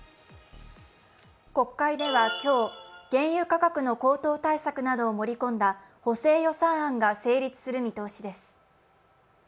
国会では今日、原油価格の高騰対策などを盛り込んだ補正予算案が成立する見通しです。